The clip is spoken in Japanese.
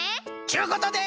ちゅうことで。